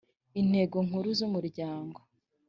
intego nkuru z umuryango